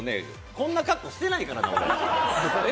こんな格好してないから。